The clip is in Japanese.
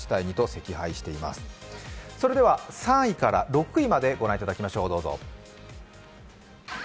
ぞさでは３位から６位まで御覧いただきましょう。